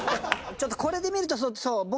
ちょっとこれで見ると。